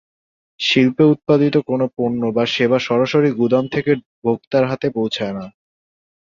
শিল্পে উৎপাদিত কোনো পণ্য বা সেবা সরাসরি গুদাম থেকে ভোক্তার হাতে পৌঁছায় না।